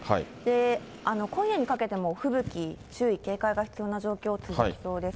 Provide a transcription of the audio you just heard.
今夜にかけても吹雪に注意、警戒が必要な状況続きそうです。